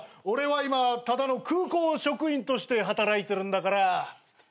俺は今ただの空港職員として働いてるんだから。